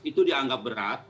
itu dianggap berat